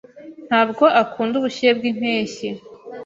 Ntabwo akunda ubushyuhe bwimpeshyi.